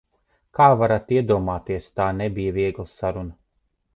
Kā varat iedomāties, tā nebija viegla saruna.